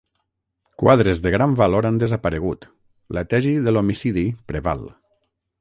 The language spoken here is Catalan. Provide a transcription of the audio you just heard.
Quadres de gran valor han desaparegut, la tesi de l'homicidi preval.